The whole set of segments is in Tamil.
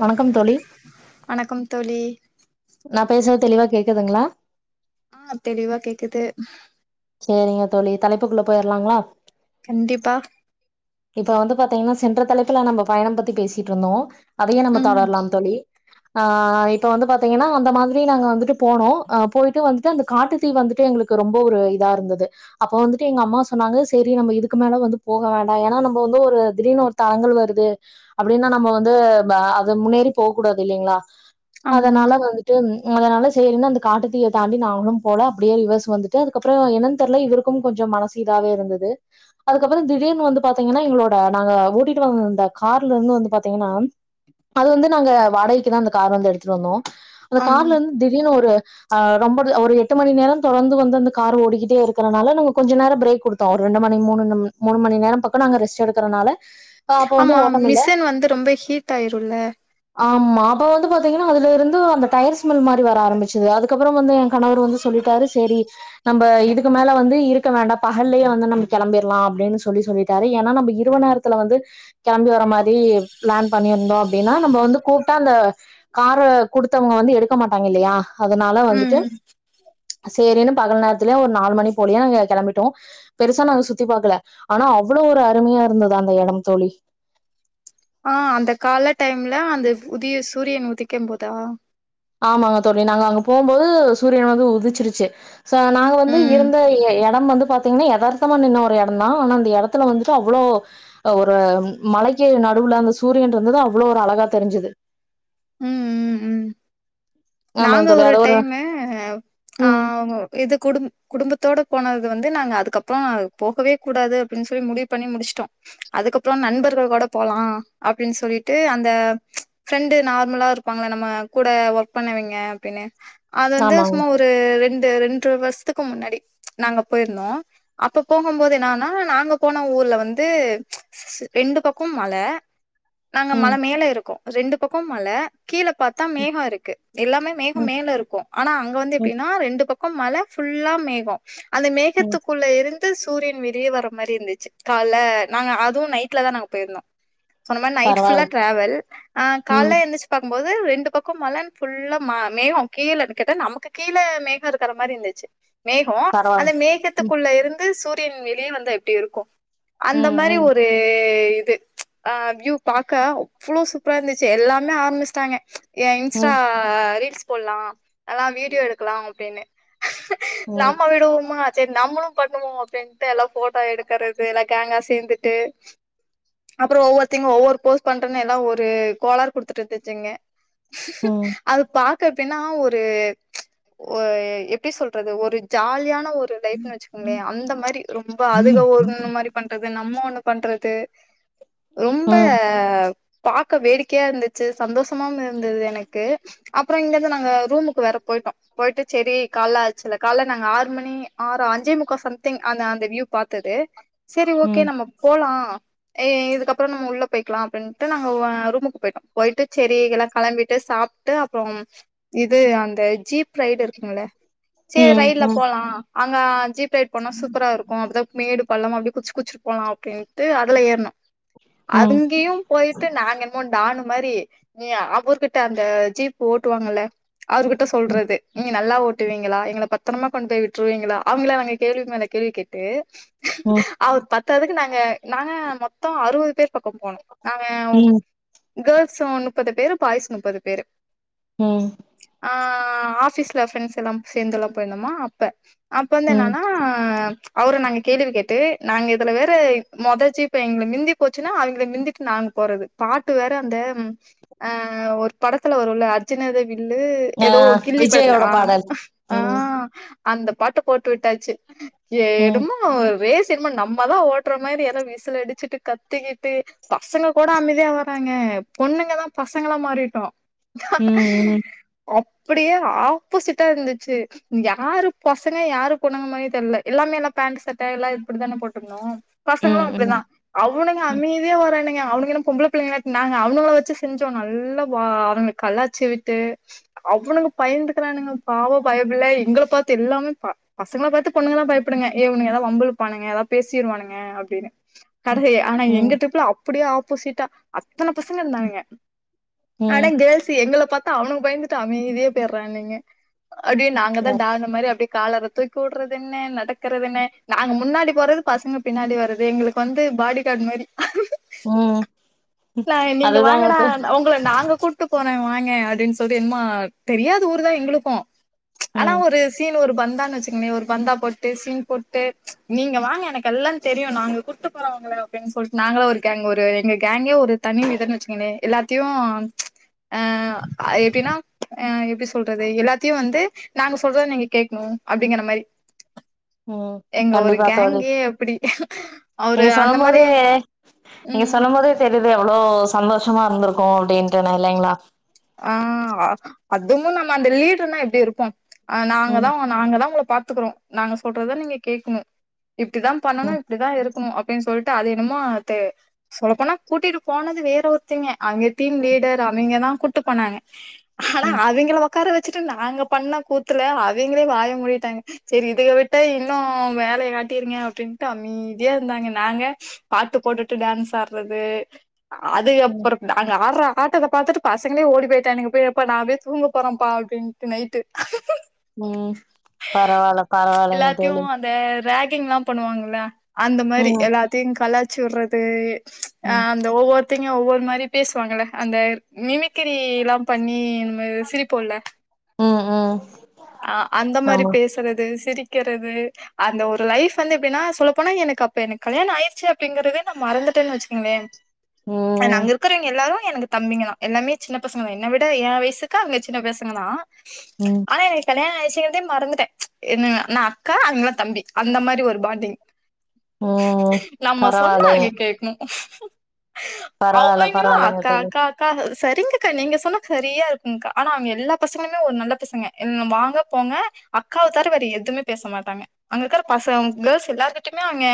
வணக்கம் தோழி வணக்கம் தோழி நா பேசுறது தெளிவா கேக்குதுங்களா. ஆ தெளிவா கேக்குது. சேரிங்க தோழி தலைப்புக்குள்ள போயிரலாங்களா கண்டிப்பா. பாத்தீங்கனா சென்ற தலைப்புல நம்ம பயணம் பத்தி பேசிட்டுருந்தோ. அதையு நம்ம ம் தொடரலாம் தோழி. ஆ இப்ப வந்து பாத்தீங்கன்னா அந்த மாதிரி நாங்க வந்துட்டு போனோ அ போயிட்டு வந்துட்டு அந்த காட்டு தீ வந்துட்டு எங்களுக்கு ரொம்ப ஒரு இ இதா இருந்தது அப்ப வந்துட்டு எங்க அம்மா சொன்னாங்க சேரி நம்ம இதுக்கு மேல வந்து போக வேண்டா ஏன்னா நம்ம வந்து ஒரு திடீர்னு ஒரு தடங்கல் வருது அப்டின்னா நம்ம வந்து ப அது முன்னேறி போக கூடாது இல்லீங்களா ஆமா அதனால வந்துட்டு அதனால சேரினு அந்த காட்டுத்தீய தாண்டி நாங்களும் போல அப்டியே ரிவர்ஸ் வந்துட்டு அதுக்கப் ப்றோ என்னனு தெர்ல இவருக்கும் கொஞ்சம் மனசு இதாவே இருந்தது அதுக்கப்றோ திடீர்னு வந்து பாத்தீங்கன்னா எங்களோட நாங்க ஓட்டிட்டு வந்த கார்ல இருந்து வந்து பாத்தீங்கன்னா அது வந்து நாங்க வாடகைக்கு தா அந்த கார் வந்து எடுத்துட்டு வந்தோ. அந்த அம் கார்ல இருந்து திடீர்னு ஒரு அ ரொம்பது ஒரு எட்டு மணி நேரம் தொடர்ந்து வந்தந்த கார ஓடிக்கிட்டே இருக்றனால நாங்க கொஞ்ச நேரோ ஃப்ரேக் குடுத்தோ ஒரு ரெண்டு மணி மூணு ம் மூணு மணி நேரம் பக்கோ நாங்க ரெஸ்ட் எடுக்கறனால அப்ப வந்து ஆமா ஓட்டம் இல்ல மிஷின் வந்து ரொம்ப ஹீட் ஆயிருல்ல. த்தீங்கன்னா அதுல இருந்து அந்த டயர் ஸ்மெல் மாரி வர ஆரம்பிச்சது அதுக்கப்றம் வந்து ஏன் கணவர் வந்து சொல்லிட்டாரு சேரி நம்ப இதுக்கு மேல வந்து இருக்க வேண்டா பகல்லயே வந்து நம்ம கெளம்பிர்லா அப்டின்னு சொல்லி-சொல்லிட்டாரு ஏனா நம்ம இரவு நேரத்துல வந்து கெளம்பி வற மாதிரி ப்ளான் பண்ணி இருந்தோ அப்டின்னா நம்ம வந்து கூப்ட்டா அந்த கார குடுத்தவங்க வந்து எடுக்க மாட்டாங்க இல்லயா. அதனால வந்துட்டு ம் சேரின்னு பகல் நேர ரத்துல ஒரு நாலு மணி போலியே நாங்க கெளம்பிட்டோ பெருசா நாங்க சுத்தி பாக்கல ஆனா அவ்ளோ ஒரு அருமையா இருந்தது அந்த எடம் தோழி. ஆ அந்த கால டைம்ல அந்த உதிய சூரியன் உதிக்கும் போதா ஆமாங்க தோழி நாங்க அங்க போம்போது சூரியன் வந்து உதிச்சிருச்சு. ச நாங்க வந்து ம் இருந்த எ எட நம்ம வந்து பாத்தீங்கன்னா எதார்த்தமா நின்ன ஒரு எடம் தா ஆனா அந்த எடத்துல வந்துட்டு அவ்வளோ ஒரு மலைக்கு நடுவுல அந்த சூரியன் இருந்தது அவ்வளோ ஒரு அழகா தெரிஞ்சுது. ம் ம் ம் நாங்க ஒரு டைமு ஆ ம். இது குடும்-குடும்பத்தோட போனது வந்து நாங்க அதுக்கப்றோ போகவே கூடாது அப்டினு சொல்லி முடிவு பண்ணி முடிச்சுட்டோ அதுக்கப்றோ நண்பர்கள் கூட போலாம் அப்டின்னு சொல்லிட்டு அந்த ஃப்ரெண்டு நார்மலா இருப்பாங்கள நம்ம கூட ஒர்க் பண்ணுவிங்க அப்டின்னு அது வந்து ஆமாங்க. சும்மா ஒரு ரெண் ரெண்டற வருஷத்துக்கு முன்னாடி நாங்க போயிருந்தோ அப்ப போகும்போது என்னான்னா நாங்க போன ஊர்ல வந்து ரெண்டு பக்கம் மல நாங்க மல ம். மேல இருக்கோ ரெண்டு பக்கம் மல கீழே பாத்தா மேகோ இருக்கு எல்லாமே மேகோம் ம். மேல இருக்கும் ஆனா அங்க வந்து ம். எப்டின்னா ரெண் அந்த பக்கம் மல ஃபுல்லா மேகோம் அந்த ம். மேகத்துக்குள்ள இருந் து சூரியன் வெளிய வர மாரி இருந்துச்சு கால்ல நாங்க அதுவு நைட்ல தா நாங்க போயிருந்தோ சொன்ன மாரி நைட் பரவால்ல. ஃபுல்லா ட்ராவல் ஆஹ் ம். கால்ல எந்துச்சு பாக்கும்போ போது ரெண்டு பக்கம் மழன் ஃபுல்லா மா மேகம் கீழன்னு கேட்டா நமக்கு கீழ மேகம் இருக்கற மாரி இருந்துச்சு மேகோ பரவால்ல. அந்த ம். மேகத்துக்குள்ள இருந்து சூ ட்டின் வெளிய வந்தா எப்டி இருக்கும் அந்த ம். மாரி ம். ஒரு இது ஆஹ் வ்யூ பாக்க அவ்ளோ சூப்ரா இருந்துச்சு எல்லாமே ஆரம்மிச்ட்டாங்க என் எக்ஸ்ரா ரீல்ஸ் போல்லா எல்லா வீடியோ எடுக்கலா அப்டின்னு ம். நம்ம விடுவோமா செரி நம்ளு பண்ணுவோ அப்டின்ட்டு எல்லா போட்டோ எடுக்கறது எல்லா கேங்கா சேந்துட்டு அப்றோ ஒவ்வொருத்திங்க ஒவ்வொரு போஸ் பண்றன்னு எல்லா ஒரு கோளார் குடுதுட்டு இருந்துசுங்க ம். அது பா க்கு எப்பின்னா ஒரு ஒரு எப்டி சொல்றது ஒரு ஜாலியா ன ஒரு லைஃப்ன்னு வச்சுகோங்ளே அந்த மாரி ரொம்ப அதுக ஒன்னு மாரி பண்றது நம் னோ ஒண்ணு பண்றது ரொம்ப ம். பாக்க வேடிக்கையா இருந்துச்சு சந்தோஷமாவும் இருந்தது எனக்கு அப்றோ இங்கந்து நாங்க ரூமுக்கு வேற போய்டோ போயிட்டு சேரி கால்ல ஆச்சுல்ல கால்ல நாங்க ஆறு மணி ஆறு அஞ்சே முக்கா சம்திங் அந்த அந்த வியூ பாத்தது சேரி ஓகே ம். நம்ம போலா இதுக்கப்றோ நம்ம உள்ள போய்கலா அப்டின்ட்டு நாங்க ஆஹ் ரூமுக்கு போய்டோ போய்டு சேரி எல்ல களம்பிட்டு சாப்டு அப்றோ இது அந்த ஜீப் ரைடு இருக்குங்ளே சேர் ம். ரயில்ல ம். போலா அங்க ஜீப் பேட் போணா சூப்ரா இருக்கு அப்பதாக் மேடு பள்ளம் அப்டி குச்சு குச்சிட்டு போலா அப்டின்ட்டு அதுல ஏறுனோ ம். ம். அதுங்கியு போய்டு நாங்க என்மோ டானு மாரி நீ அப் ஊர்கிட்ட அந்த ஜீப் ஓட்டுவாங்கல அவ்ருகிட்ட சொல்றது [unintelligible] நல்லா ஓட்டுவீங்ளா எங்கள பத்ரமா கொண்டு போய் விட்டுருவீங்களா அவ்ங்களா நாங்க கேள்வி மேல கேள்வி கேட்டு ம். அவ்ர் பத்தாதுக்கு நாங்க நாங்க மொத் த்தோ அறுவது பேர் பக்கோ போனோ நாங்க ம். கேள்ஸோ முப்பது பேரு பாய்ஸ் முப்பது பேரு உம் ஆஹ் ஆபீஸ்ல ப்ரெண்ட்ஸ் எல்லா சேந்துல்லா போய்ருந்தோமா அப்ப அப்ப வந்து ம். என்னான்னா ச் அவர நாங்க கேள்வி கேட்டு நாங்க இதுல வேற மொத ஜீப்ப எங்கள மிந்தி போசுன்னா அவங்ள மிந்திட்டு நாங்க போறது பாட்டு வேற அந்த ஆஹ ஒரூ படத்துல வருல்ல அர்ஜினது வி ல்லு ஆ எதோ கில்லி படத்துல விஜயோட ஆஹ் பாடல். ம். ஆஹ் அந்தப் பாட்டு போட்டு விட்டாச்சு ஏ ம். எனம்மோ ரேஸ் செரிம்மன் நம்மதா ஓட்ற மாரி ஏதாவது விசில் அடிச்சிட்டு கத்திக்கிட்டு பசங்க கூட அமேதியா வராங்கே பொண்ணுங்கதான் பசங்களா மாறிட்டோ உம் உம் அப்டியே ஆப்போசிட்டா இருந்துச்சு யாரு பசங்க யாரு பொண்ணுங்க மாரியே தெர்லெ எல்லாமேனா பேண்ட் சட்ட எல்லா இப்படி தான போட்ருந்தோ பசங்ளு ம். ம். அப்டிதான் அவ்வுனுங்க ம் அமைதியா வாரானு ஏ அவுனுங்க என்ன பொம்புள பிள்ளைங்களாட்ட நாங்க அவுலங்கள வச்சு செஞ்சோ நல்லா வா அவங்ளுக் கல்லாச்சி விட்டு அவ்வுனுங்க பயந்துக்கிறானுங்க பாவோ பையபிள்ள எங்கள பாத்து எல்லாமே ப பசங்கள பாத்து பொண்ணுங்கதான் பயப்படுங்க ஏ இவனுக ஏதாவு வம்பிழுப்பானுங்கே எதா பேசிர்வானுங்க அப்டின்னு [unintelligible] ஆனா ம் எங்க ரிப்ல அப்புடியே ஆப் பூசிட்டா அத்தன பசங்க இருந்தானுக ம் அடங் கேல்ஸு எங்கள பாத் த்தா அவுனுங் பயந்துட்டு அமேதியா போய்ர்றானுங்க அப்டியே நாங்க தான் ம் டான்னு மாரி அப்டியே காலர தூய்கி விட்றது என்ன நடக்கறதென்ன நாங்க முன்னாடி போறது பசங்க பின்னாடி வர்றது எங்களுக்கு வந்து பாடி காட் மாரி உம் க்லைன் நீங்க வாங்கடா உங்கள நாங்க கூட்டுப் போறேன் வாங்கே அப்டீன் சொல்லி என்மோ தெரியாது ஊர் தா எங்ளுக்கு ச் ஆனா ம் ஒரு சீன் ஒரு பந்தா இல்லனு வச்சுக்கங்களே ஒரு பந்தா போட்டு சீன் போட்டு ச் நீங்க வாங்க எனக்கு எல்லாம் தெரியும் நாங்க கூட்டுப்போறோ உங்களனு சொல்ட் நாங்கள்ளா ஒரு கேங் ஒரு எங்க கேங்கே ஒ இது தனீ வீடுன் வச்சிகிங்லே எல்லாத்தியூம் ச் அஹ் எப்டினா எப்டி சொல்றது எல்லாத்தியூ வந்து நாங்க சொல்றத நீங்க கேட்ணு அப்டிங்கற மாரி ம் எங்க ஒரு கண்டிப்பா தோழி கேங்கே அப்பிடி நீங்க சொல்லம்போதே நீங்க ம் சொல்லும் போதே தெரீது எ வ்ளோ சந்தோஷமா இருந்திருக்கோ அப்டீன்ட்டு நா இல்லைங்களா ஆஹ் அதுவும் நம்ம அந்த லீட்ருனா எப்டி இருப்போம் அஹ் நாங்கதா ம் நாங்கதா உங்ள பாத்துக்குறோ நாங்க சொல்றத நீங்க கேக்கணு இப்டிதா பண்ணணு ம் இப்டிதா இருக்குணு ஆப் இப்டின் சொல்ட்டு அது என்னமோ அத்து சொல்லப்போனா கூட்டிட்டு போனது வேற ஒர்த்தெங்க அங்க தீன் லீடர் அவிங்க தா ட்டுப் போனாங்க ஹனா ம் அவிங்கல ஒக் உக்கார வச்சிட்டு நாங்க பண்ண கூத்துல அவிங்களே வாய மூடிட்டாங்க செரி இதுக விட்ட இன்னு வேலய காட்டிருங்க அப்டின்ட்டு அமீதியா இர்ந்தாங்க நாங்க பாட்டுப் போடுட்டு டேன்ஸ் ஆட்றது அதுக ம் அப்பறோ தா நாங்க ஆட்றா ஆட்டத பாத்தட்டு பஸ் பசங்களே ஓடி போய்ட்டானுங்க எப்பா எப்பா நா போய் தூங்க போறோம்ப்பா அப்டின்ட்டு நைட்டு உம் பரவால்ல பரவால்லைங்க தோழி [unintelligible] பண்ணுவாங்கள அந்த மாரி ம் எல்லாத்தையு கலாச் சுட்றது ம்ச் ம் ஆம் அந்த ஒவ்வொருத்தைங் நியோ ஒவ்வொரு மாரி பேசுவாங்கள அந்த மிமிக் கிரில்லா பண்ணி [unintelligible] சிரிப்போல ம் ம் ஆ அந்த மாரி ஆமா பேசுறது சிரிக் க்கிறது அந்த ஒரு லைப் வந்து எப்டின்னா சொல்லப்போனா எனக்கு அப்ப எனக்கு கல்யாணோ ஆய்டுச்சு அப்டிங்கறதே நா மறந்துட்டேன்னு வச்சுக்கங்களே ம் நாங்க இருக்றவீங்க எல்லாரு எனக்கு தம்பிங்கதா எல்லாமே சின்ன பசங்க தா என்ன விட என் வயசுக்கு அவங்க சின்ன பசங்க தா உம் கல்யாணோ ஆயிச்சிங்கதே மறந்துட்டே மச் என்ன நா அக்கா அவங்க லா தம்பி அந்த மாரி ஒரு பாண்டிங் ம் நம்ம சொன்னா பரவால்லைங்க அவிங்க கேக்கணு. பரவால்ல அவிங்களு பரவால்லைங்க அக்கா தோழி அக்கா அக்கா னு ச டிங்குக்கா நீங்க சொன்னா சரியா இருக்குங்க்கா ஆனா அவங்க எல்லா பசங்களுமே ஒரு நல்ல பசங்க [unintelligible] வாங்க போங்க அக்காவ தவ்ர வேற எதுமே பேச மாட்டாங்க அங்க இருக்கற பசங் கேர்ள்ஸ் எல்லார்கிட்டயுமே அவிங்க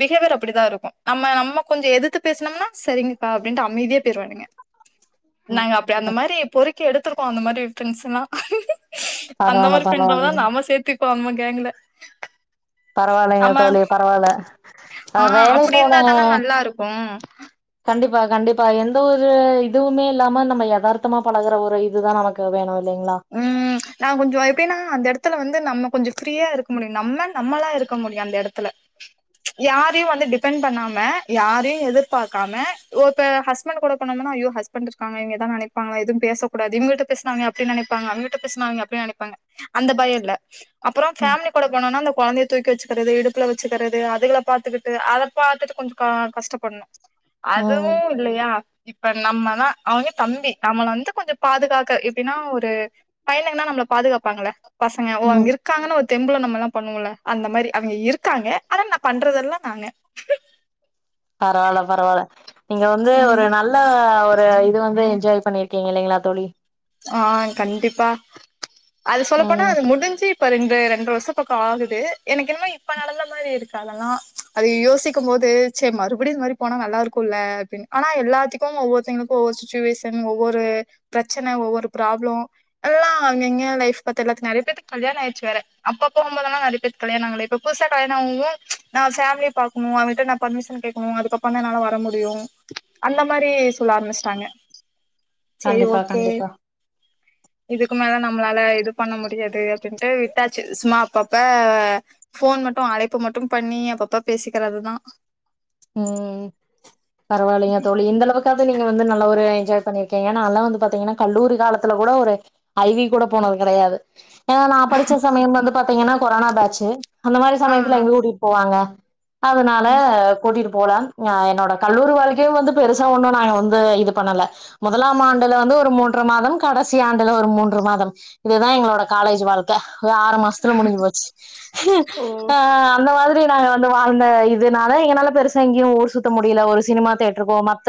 பிஹேவியர் அப்டிதான் இருக்கும் நம்ம நம்ம கொஞ்சம் எதுத்து பேசுனோம்னா சரிங்கக்கா அப்டின்ட்டு அமைதியா பேய்ருவானுங்க நாங்க ம் அப்டி அந்த மாரி பொரிக் க்கி எடுத்ருக்கோ அந்த மாரி ஃப்ரெண்ட்ஸ்ல்லா அந்த பரவால்ல மாரி பரவால்ல [unintelligible] நம்ம சேத்துக் [unintelligible] கேங்ல பரவாயில்லங்க ஆமா தோழி பரவால்ல அ ஆ வேலை அப்டி போன இருந்தா தான நல்லா இருக்கு கண்டிப்பா வா கண்டிப்பா எந்த ஒரு இதுவுமே இல்லாம நம்ம எதார்த்தமா பழகற ஒரு இதுதா நமக்கு வேணு இல்லைங்களா ம் நா கொஞ்சோ எப்டின்னா அந்த எடத்துல வந்து நம்ம கொஞ்ச ஃப்ரீயா இருக்க முடியு நம்ம நம்மலா இருக்க முடியு அந்த எடத்துல யாரையு வந்து டிபெண்ட் பண்ணாம யாரையு எதிர்பாக்காம ஓ இப்ப ஹஸ்பண்ட் கூட போணோம்னா ஐயோ ஹஸ்பண்ட் இருக்காங்க இவங்க எதா நெனைப்பாங்களா எது பேசக்கூடாது இவங்கிட்ட பேசினாங்க அப்டின் நெனைப் பாங்க அவங்ககிட்ட பேச அவங்க அப்டி நெனைப்பாங்க அந்த பயோ இல்ல அப்புறோ ம் ஃபேமிலி கூட போனோனா அந்த கொழந்தைய தூக்கி வச்சுக்கிறது இடுப்புல வச்சிக்கிறது அதுகள பாத்துக்கிட்டு அத பாத்துட்டு கொஞ்சோ கா கஷ்டப்பட்ணு அதுவு இல்லையா இப்ப நம்மதா அவங்க தம்பி நம்மள வந்து கொஞ்சோ பாதுகாக்க எப்டின்னா ஒரு பையனுங்கனா நம்மள பாதுகாப்பாங்கல்ல பசங்க ஓ ம் அங்க இருக்காங்கனு தெம்புல நம்மல்லா பண்ணுவோம்ல அந்த மாரி அவங்க இருக்காங்க ஆனா நா பண்றதெல்லா நாங்க பரவால்ல பரவால்ல நீங்க வந்து ம் ஒரு நல்ல ஒரு இது வந்து என்ஜாய் பண்ணிருக்கீங்க இல்லைங்களா தோழி ஆ கண்டிப்பா அது சொல்ல போனா ம் அது முடிஞ்சு இப்ப ரெண்டு ரெண்டர வருஷ பக்கோ ஆகுது எனக்கு என்னமோ இப்ப நடந்த மாரி இருக்கு அதெல்லா அது யோசிக்கும் போது மறுபடியு இந்த மாரி போனா நல்லா இருக்குல்ல அப்படின்னு ஆனா எல்லாத்துக்கு ஒவ்வொருத்தங்களுக்கு ஒவ்வொரு சுச்சுவேஷன் ஒவ்வொரு பிரச் சன, ஒவ்வொரு ப்ராப்ளம் எல்லா அங்க இங்க லைஃப் பாத்து எல்லாத்துக் நறைய பேத்துக்கு கல்யாணம் ஆயிடுச்சு வேற அப்ப போகும்போதெல்லா நறைய பேருக்கு கல்யாணம் ஆகல இப்ப புதுசா கல்யாணம் ஆவு நா ஃபேம்லிய பாக்கணு அவருகிட்ட நா பர்மிஷன் கேக்கணு அதுக்கு அப்பறந்தா என்னால வர முடியு அந்த மாரி சொல்ல ஆரம்பிச்சிட்டாங்க சேரி ஓ கண்டிப்பா கண்டிப்பா இதுக்கு மேல நம்மளால இது பண்ண முடியாது அப்படின்ட்டு விட்டாச்சு சும்மா அப்பப்ப ஃபோன் மட்டு அழைப்பு மட்டு பணணி அப்பப்ப பேசிக்கறதுதா ம் பரவாயில்லைங்க தோழி இந்தளவுக் காவது நீங்க வந்து நல்லா ஒரு என்ஜாய் பண்ணிருக்கீங்க நான்லா வந்து பாத்தீங்கனா கல்லூரி காலத்துல கூட ஒரு ஐ வி கூட போனது கடையாது ஏன்னா நா படிச்ச சமயம் வந்து பாத்தீங்கனா கொரோனா பேட்சு அந்த மாரி ஆ சமயத்துல எங்க கூட்டிட்டு போவாங்க அதனால ம் கூட்டிட்டு போல ஆ என்னோட கல்லூரி வாழ்க்கையு வந்து பெருசா ஒண்ணு நாங்க வந்து இது பண்ணல முதலாம் ஆண்டுல வந்து ஒரு மூன்ற மாதம் கடைசி ஆண்டுல ஒரு மூன்ற மாதம் இதுதா எங்களோட காலேஜ் வாழ்க்க ஒரு ஆறு மாசத்துல முடிஞ்சு போச்சு ஓ அ அந்த மாதிரி நாங்க வந்து வாழ்ந்த இதுனால எங்கனால பெருசா எங்கயு ஊர் சுத்த முடியல ஒரு சினிமா தியேட்டருக்கோ மத்த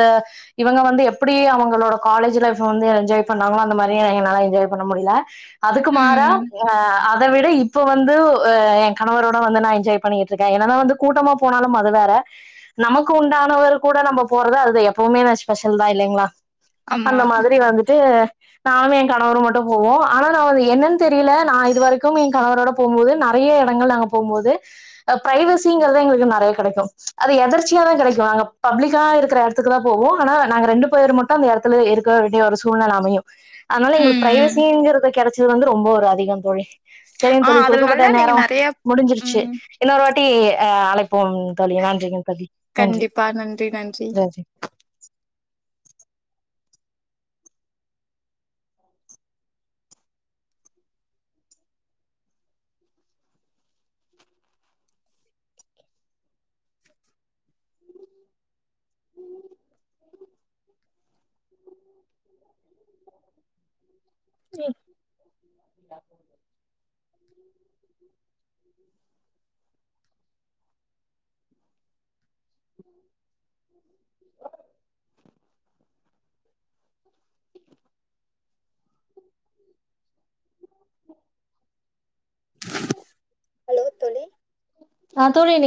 இவங்க வந்து எப்படி அவங்களோட காலேஜ் லைஃப் வந்து என்ஜாய் பண்ணாங்களோ அந்த மாரி எங்கனால என்ஜாய் பண்ண முடில அதுக்கு மாறா ம் ஆ அத விட இப்ப வந்து எ கணவரோட வந்து நா என்ஜாய் பண்ணிட்டு இருக்கே என்னதா வந்து கூட்டமா போனாலும் அது வேற நமக்கு உண்டானவர் கூட நம்ம போறது அது எப்பவுமே ஸ்பெஷல்தா இல்லைங்ளா ஆமா அந்த மாதிரி வந்துட்டு நானு எ கணவர் மட்டு போவோ ஆனா நா என்னன்னு தெரியல நா இதுவரைக்கும் என் கணவரோட போம்போது நெறையா எடங்கள் நாங்க போகும்போது பிரைவசிங்கிறது எங்களுக்கு நெறைய கெடைக்கு அது எதர்ச்சியாதா கெடைக்கு நாங்க பப்ளிக்கா இருக்கிற எடத்துக்குதா போவோ ஆனா நாங்க ரெண்டு பேர் மட்டு அந்த எடத்துலயே இருக்க வேண்டிய ஒரு சூழ்நில அமையு அதனால ம் எங்களுக்கு ம் பிரைவசிங்கறது கெடைச் சிது வந்து ரொம்ப ஒரு அதிகந் தோழி சேரிங் ஆ தோழி அதுல குடுக்கப்பட்ட நல்லா நீங்க நேரோ நெறைய முடிஞ்சிருச்சு ம் இன்னொரு வாட்டி ஆஹ் அழைப்போம்ங் கண்டிப்பா நன்றி நன்றி ம் [unintelligible] [unintelligible] ஹலோ தோழி ஆ தோழி நீ